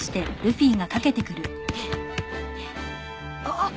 あっ！